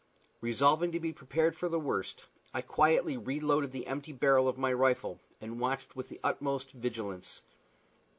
Resolving to be prepared for the worst, I quietly reloaded the empty barrel of my rifle and watched with the utmost vigilance.